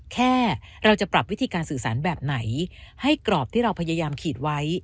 แค่เราจะปรับวิธีการสื่อสารแบบไหนให้กรอบที่เราพยายามขีดไว้